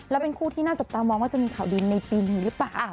แล้วเป็นคู่ที่น่าจับตามองว่าจะมีข่าวดีในปีนี้หรือเปล่า